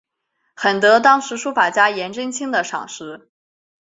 很得当时书法家颜真卿的赏识。